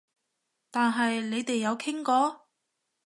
但係你哋有傾過？